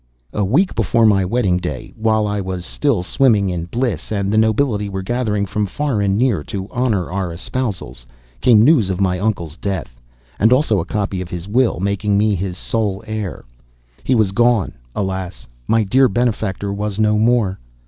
A week before my wedding day, while I was still swimming in bliss and the nobility were gathering from far and near to honor our espousals, came news of my uncle's death, and also a copy of his will, making me his sole heir. He was gone; alas, my dear benefactor was no more.